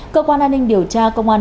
cơ quan an ninh điều tra công an